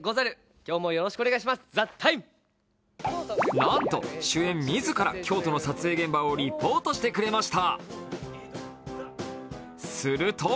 なんと主演自ら、京都の撮影現場をリポートしてくれました。